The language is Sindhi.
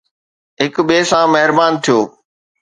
هڪ ٻئي سان مهربان ٿيو